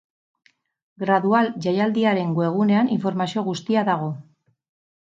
Gradual jaialdiaren webgunean informazio guztia dago.